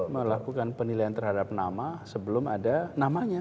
melakukan penilaian terhadap nama sebelum ada namanya